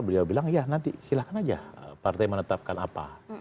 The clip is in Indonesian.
beliau bilang ya nanti silahkan aja partai menetapkan apa